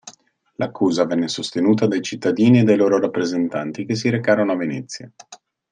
L'accusa venne sostenuta dai cittadini e dai loro rappresentanti che si recarono a Venezia.